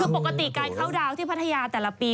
คือปกติการเข้าดาวน์ที่พัทยาแต่ละปี